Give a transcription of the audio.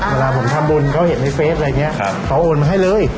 เวลาผมทำบุญเขาเห็นในเฟสอะไรอย่างนี้เขาโอนมาให้เลย